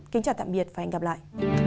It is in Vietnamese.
kính chào tạm biệt và hẹn gặp lại